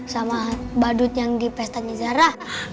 sama badut yang di pestanya zara